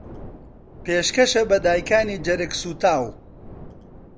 پێشکەشە بە دایکانی جەرگسووتاو